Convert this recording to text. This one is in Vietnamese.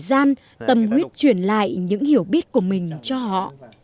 và sẽ dành thời gian tâm huyết truyền lại những hiểu biết của mình cho họ